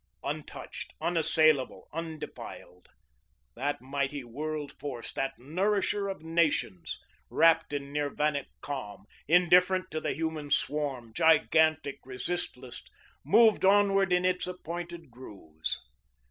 Untouched, unassailable, undefiled, that mighty world force, that nourisher of nations, wrapped in Nirvanic calm, indifferent to the human swarm, gigantic, resistless, moved onward in its appointed grooves.